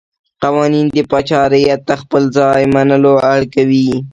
قوانین د پاچا رعیت ته خپل ځای منلو اړ کوي.